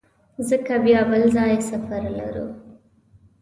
ځکه بیا بل ځای سفر لرو.